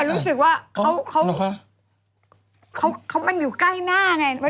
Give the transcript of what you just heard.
รู้สึกว่าเขามันอยู่ใกล้หน้าไง